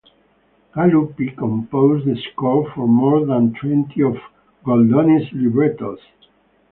Galuppi composed the score for more than twenty of Goldoni's librettos.